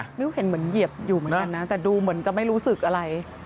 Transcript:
ไม่รู้เห็นเหมือนเหยียบอยู่เหมือนกันนะแต่ดูเหมือนจะไม่รู้สึกอะไร